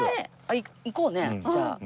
行こうねじゃあ。